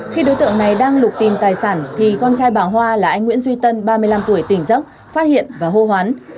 khi đối tượng này đang lục tìm tài sản thì con trai bà hoa là anh nguyễn duy tân ba mươi năm tuổi tỉnh dốc phát hiện và hô hoán